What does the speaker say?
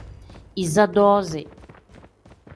Iza doozi.